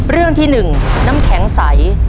เรื่องที่๑น้ำแข็งใส